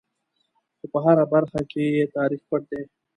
خو په هره برخه کې یې تاریخ پټ دی.